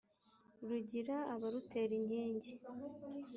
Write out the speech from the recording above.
rugira abarutera inkingi